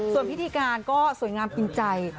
ส่วนพิธีการก็สวยงามกินใจ